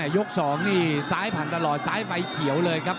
ยก๒นี่ซ้ายผ่านตลอดซ้ายไฟเขียวเลยครับ